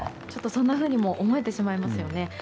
そんなふうにも思えてしまいますよね。